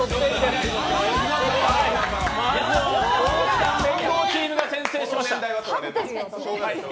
まずは大木さん連合チームが正解しました。